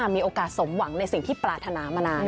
มีโอกาสสมหวังในสิ่งที่ปรารถนามานาน